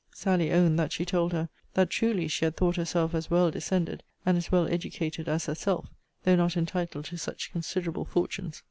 Sally owned that she told her, That, truly, she had thought herself as well descended, and as well educated, as herself, though not entitled to such considerable fortunes.